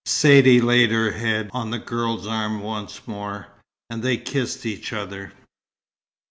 Saidee laid her head on the girl's arm once more, and they kissed each other.